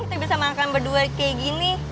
kita bisa makan berdua kayak gini